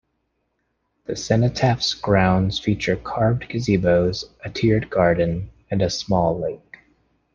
The cenotaph's grounds feature carved gazebos, a tiered garden, and a small lake.